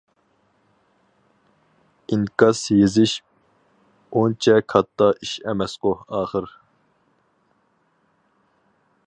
ئىنكاس يېزىش ئۇنچە كاتتا ئىش ئەمەسقۇ ئاخىر.